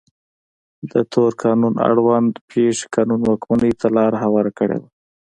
د تور قانون اړوند پېښې قانون واکمنۍ ته لار هواره کړې وه.